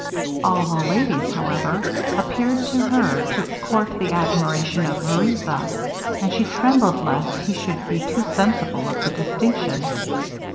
All the ladies, however, appeared to her to court the admiration of Vereza, and she trembled lest he should be too sensible of the distinction.